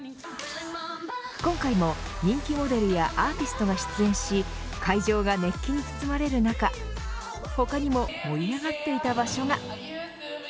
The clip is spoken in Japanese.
今回の人気モデルやアーティストが出演し会場が熱気に包まれる中他にも盛り上がっていた場所が。